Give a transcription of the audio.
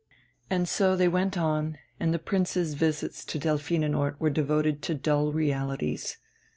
And so they went on, and the Prince's visits to Delphinenort were devoted to dull realities.